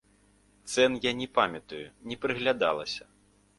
Цэн я не памятаю, не прыглядалася.